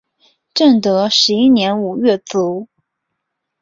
正德十一年五月卒。